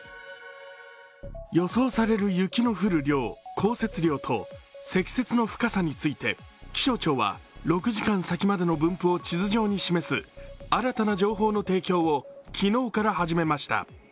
予想される雪の降る量、降雪量と積雪の深さについて気象庁は６時間先までの分布を地図上に示す新たな情報の提供を昨日から始めました。